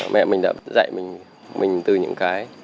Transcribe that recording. mẹ mình đã dạy mình từ những cái